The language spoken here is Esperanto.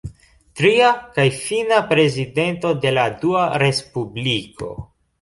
Tria kaj fina prezidento de la Dua respubliko.